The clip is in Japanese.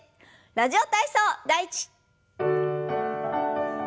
「ラジオ体操第１」。